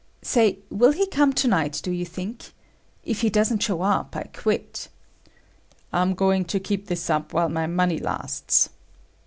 "Say, will he come to night, do you think? If he doesn't show up, I quit." "I'm going to keep this up while my money lasts."